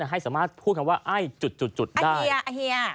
ให้สามารถพูดคำว่าไอจุดได้